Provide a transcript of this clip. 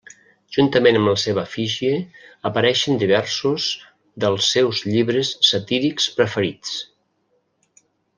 Juntament amb la seva efígie, apareixen diversos dels seus llibres satírics preferits.